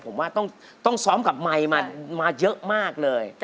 ผมว่าต้องซ้อมกับไมค์มาเยอะมากเลย